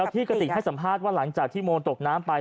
ที่กระติกให้สัมภาษณ์ว่าหลังจากที่โมตกน้ำไป